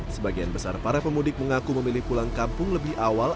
sebagian besar para pemudik mengaku memilih pulang kampung lebih awal